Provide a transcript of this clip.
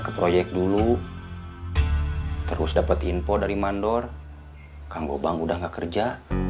keprojek dulu terus dapet info dari mandor kang bobang udah gak kerja